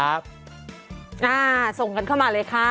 อ่าส่งกันเข้ามาเลยค่ะ